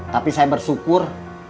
tapi saya bersyukur